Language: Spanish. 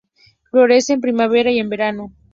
Florece en primavera y en verano.